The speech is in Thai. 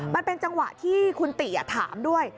มันเป็นจังหวะที่คุณติถามด้วย